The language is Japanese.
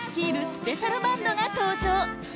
スペシャルバンドが登場